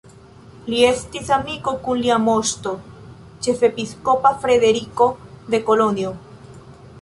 Li estis amiko kun lia moŝto ĉefepiskopa Frederiko de Kolonjo.